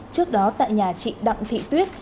trước đó tại nhà chị đặng thị tuyết